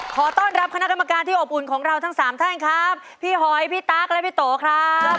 ขอต้อนรับคณะกรรมการที่อบอุ่นของเราทั้งสามท่านครับพี่หอยพี่ตั๊กและพี่โตครับ